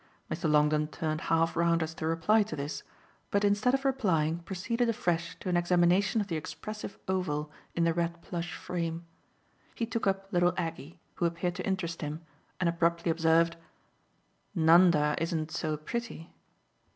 Mr. Longdon turned half round as to reply to this, but instead of replying proceeded afresh to an examination of the expressive oval in the red plush frame. He took up little Aggie, who appeared to interest him, and abruptly observed: "Nanda isn't so pretty."